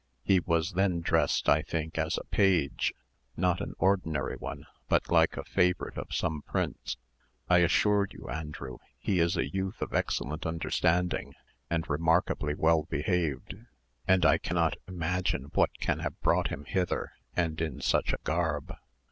He was then dressed, I think, as a page,—not an ordinary one, but like a favourite of some prince. I assure you, Andrew, he is a youth of excellent understanding, and remarkably well behaved; and I cannot imagine what can have brought him hither, and in such a garb."